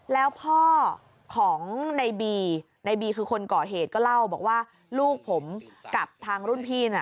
แล้วพ่อของในบีในบีคือคนก่อเหตุก็เล่าบอกว่าลูกผมกับทางรุ่นพี่น่ะ